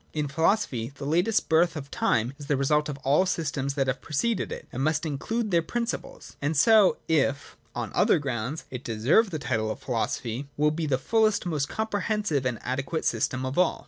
In philosophy I the latest birth of time is the result of all the systems that have preceded it, and must include their principles ; and so, if, on other grounds, it deserve the title of philo sophy, will be the fullest, most comprehensive, and most adequate system of all.